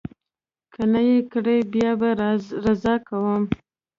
که نه یې کړي، بیا به رضا کوم.